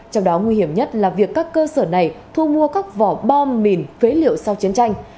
trong đó nguy hiểm nhất là việc các cơ sở này thu mua các vỏ bom mìn phế liệu sau chiến tranh